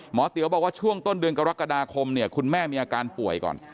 เตี๋ยวบอกว่าช่วงต้นเดือนกรกฎาคมเนี่ยคุณแม่มีอาการป่วยก่อน